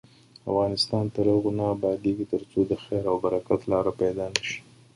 افغانستان تر هغو نه ابادیږي، ترڅو د خیر او برکت لاره پیدا نشي.